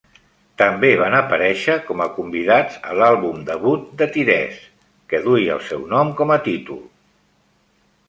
També van aparèixer com a convidats a l'àlbum debut de Tyrese, que duia el seu nom com a títol.